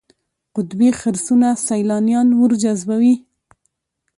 قطبي خرسونه سیلانیان ورجذبوي.